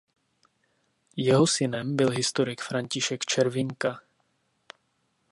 Jeho synem byl historik František Červinka.